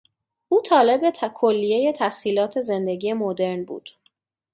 او طالب کلیهی تسهیلات زندگی مدرن بود.